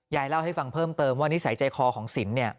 ยายเล่าให้ฟังเพิ่มเติมว่านิสัยใจคอของสินเนี่ย